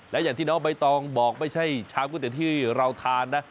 และอย่างที่น้องใบตองบอกไม่ใช่ชามก๋วเตี๋ยที่เราทานนะ